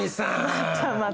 またまた。